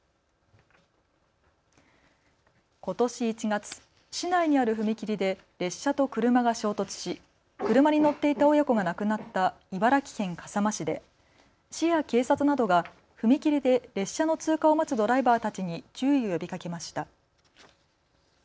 ことし１月、市内にある踏切で列車と車が衝突し車に乗っていた親子が亡くなった茨城県笠間市で市や警察などが踏切で列車の通過を待つドライバーたちに注意を呼びかけました。